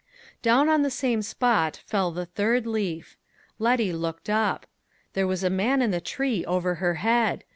Down on the same spot fell the third leaf. Letty looked up. There was a man in the tree over her head.